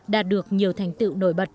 đạt được nhiều thành tựu nổi bật